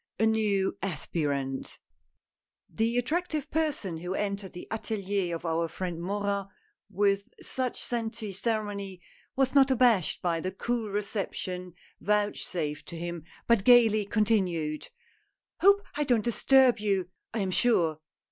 A NEW ASPIRANT HE attractive person who entered the atelier of our X friend Morin with such scanty ceremony, was not abashed b}" the cool reception vouchsafed to him, but gayly continued :" Hope I don't disturb you, I am sure